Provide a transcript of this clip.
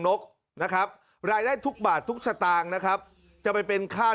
นกนะครับรายได้ทุกบาททุกสตางค์นะครับจะไปเป็นค่า